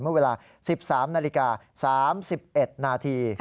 เมื่อเวลา๑๓นาฬิกา๓๑นาที